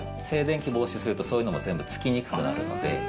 静電気防止すると、そういうのも全部付きにくくなるので。